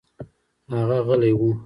هغه غلى و.